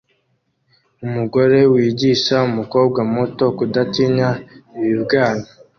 Umugore wigisha umukobwa muto kudatinya ibibwana